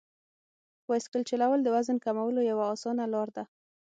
بایسکل چلول د وزن کمولو یوه اسانه لار ده.